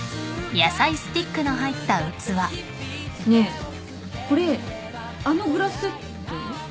ねえこれあのグラスセット？